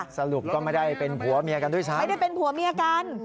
สรุปก็ไม่ได้เป็นผัวเมียกันด้วยซ้ำไม่ได้เป็นผัวเมียกัน